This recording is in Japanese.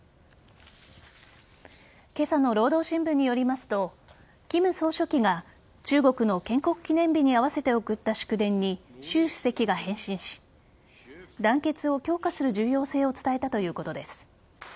今朝の労働新聞によりますと金総書記が中国の建国記念日に合わせて送った祝電に習主席が返信し団結を強化する重要性を伝えたということです。